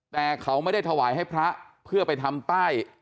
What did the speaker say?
แต่เขาไม่ได้ถวายให้พระเพื่อไปทำป้าย